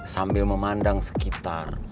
sambil memandang sekitar